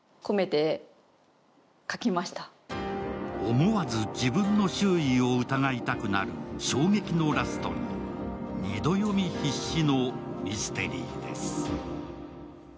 思わず自分の周囲を疑いたくなる衝撃のラストに、２度読み必至のミステリーです。